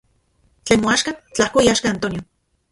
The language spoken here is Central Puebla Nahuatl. Tlen moaxka, tlajko iaxka Antonio.